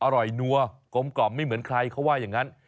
อร่อยนัวกลมกล่อมไม่เหมือนใครเขาว่าอย่างนั้น